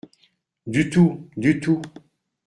Du tout… du tout…